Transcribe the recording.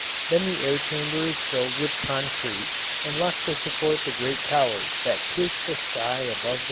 Then the air chamber is filled with concrete and left to support the great towers that pierce the sky above the waters.